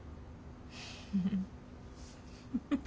フフフフフ。